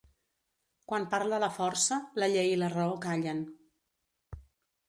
Quan parla la força, la llei i la raó callen.